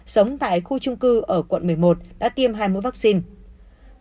sống tại khu trung cư ở quận một mươi một đã tiêm hai mũi vaccine